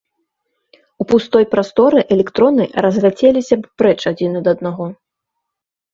У пустой прасторы, электроны разляцеліся б прэч адзін ад аднаго.